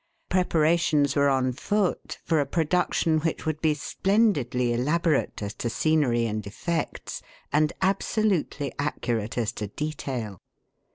Preparations were on foot for a production which would be splendidly elaborate as to scenery and effects, and absolutely accurate as to detail.